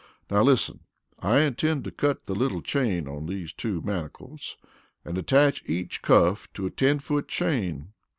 "Now listen: I intend to cut the little chain on these two manacles and attach each cuff to a ten foot chain.